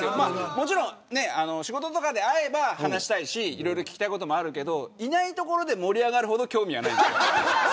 もちろん仕事とかで会えば話したいしいろいろ聞きたいこともあるけどいないところで盛り上がるほど興味はない。